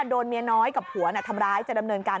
โดนเมียน้อยกับผัวทำร้ายจะดำเนินการ